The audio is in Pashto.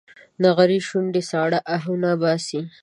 د نغري شوندې ساړه اهونه باسي